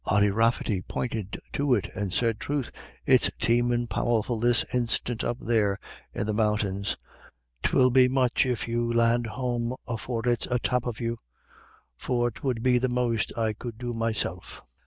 Ody Rafferty pointed to it and said, "Troth, it's teemin' powerful this instiant up there in the mountains. 'Twill be much if you land home afore it's atop of you; for 'twould be the most I could do myself."